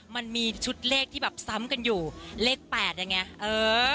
มันมีชุดเลขที่แบบซ้ำกันอยู่เลข๘ยังไงเออ